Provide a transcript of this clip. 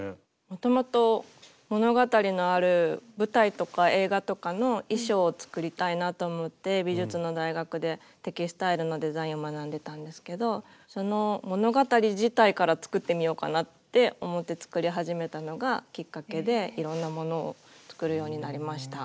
もともと物語のある舞台とか映画とかの衣装を作りたいなと思って美術の大学でテキスタイルのデザインを学んでたんですけどその物語自体から作ってみようかなって思って作り始めたのがきっかけでいろんなものを作るようになりました。